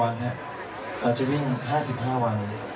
เราจะวิ่ง๕๕วัน